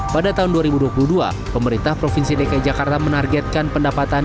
pada tahun dua ribu dua puluh dua pemerintah provinsi dki jakarta menargetkan pendapatan